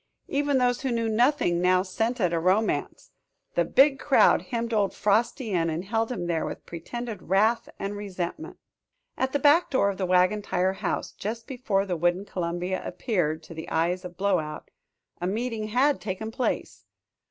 Even those who knew nothing now scented a romance. The big crowd hemmed old Frosty in and held him there with pretended wrath and resentment. At the back door of the Wagon Tire House, just before the wooden Columbia appeared to the eyes of Blowout, a meeting had taken place.